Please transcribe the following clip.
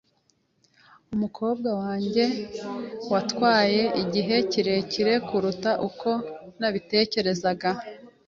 Umukoro wanjye watwaye igihe kirekire kuruta uko nabitekerezaga.